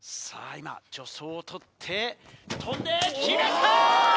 今助走をとって跳んで決めた！